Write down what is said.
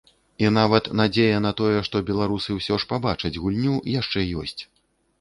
І нават надзея на тое, што беларусы ўсё ж пабачаць гульню, яшчэ ёсць.